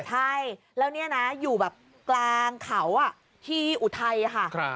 ใช่แล้วนี่นะอยู่แบบกลางเขาที่อุทัยค่ะ